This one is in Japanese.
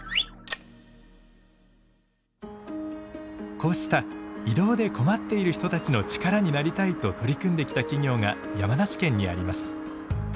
こうした移動で困っている人たちの力になりたいと取り組んできた企業が山梨県にあります。